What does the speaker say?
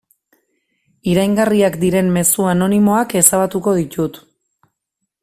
Iraingarriak diren mezu anonimoak ezabatuko ditut.